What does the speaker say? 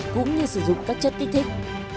cũng như sử dụng các chất kích thích